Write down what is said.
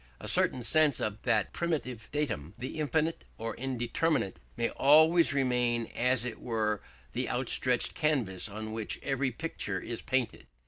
A certain sense of that primitive datum, the infinite or indeterminate, may always remain as it were the outstretched canvas on which every picture is painted.